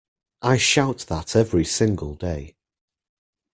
I shout that every single day!